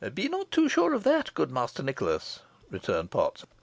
"Be not too sure of that, good Master Nicholas," returned Potts.